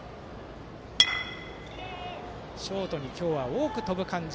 ショートに今日は多く飛ぶ感じ。